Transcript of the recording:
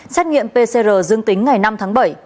xét nghiệm pcr dương tính ngày năm tháng bảy